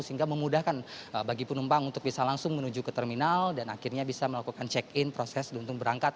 sehingga memudahkan bagi penumpang untuk bisa langsung menuju ke terminal dan akhirnya bisa melakukan check in proses untuk berangkat